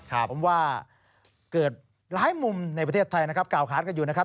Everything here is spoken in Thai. ผมว่าเกิดหลายมุมในประเทศไทยนะครับกล่าวค้านกันอยู่นะครับ